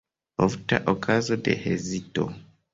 Ofta okazo de hezito.